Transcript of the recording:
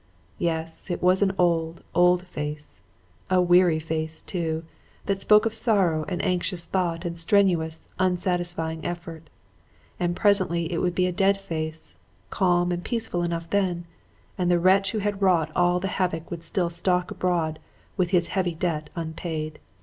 Yes, it was an old, old face; a weary face, too, that spoke of sorrow and anxious thought and strenuous, unsatisfying effort. And presently it would be a dead face, calm and peaceful enough then; and the wretch who had wrought all the havoc would still stalk abroad with his heavy debt unpaid.